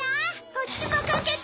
こっちも描けた！